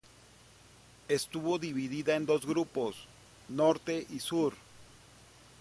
Estuvo dividida en dos grupos: Norte y Sur.